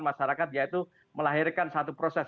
masyarakat yaitu melahirkan satu proses